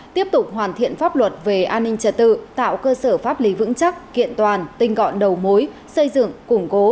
tiếp tục hoàn thiện pháp luật về an ninh trật tự tạo cơ sở pháp lý vững chắc kiện toàn tinh gọn đầu mối xây dựng củng cố